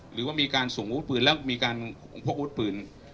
หรือว่ามีการส่งอุดปืนและมีการพกอุดปืน